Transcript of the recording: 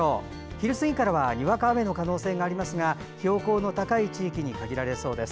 昼過ぎからはにわか雨の可能性がありますが標高の高い地域に限られそうです。